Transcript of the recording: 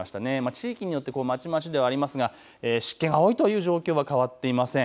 地域によってまちまちではありますが湿気が多いという状況は変わっていません。